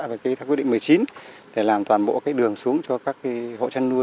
và kế thắc quyết định một mươi chín để làm toàn bộ cái đường xuống cho các hộ chăn nuôi